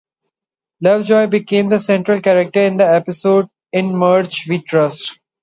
Lovejoy became the central character in the episode "In Marge We Trust".